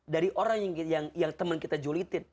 dari orang yang teman kita julitin